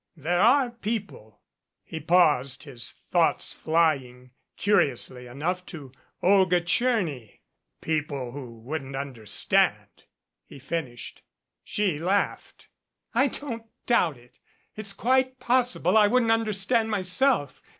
There are people " he paused, his thoughts flying, curiously enough, to Olga Tcherny, "people who wouldn't understand," he finished. She laughed. "I don't doubt it. It's quite possible I wouldn't under stand myself.